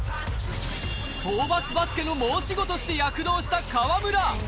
ホーバスバスケの申し子として躍動した河村。